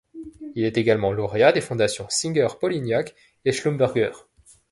Il est également lauréat des fondations Singer-Polignac et Schlumberger.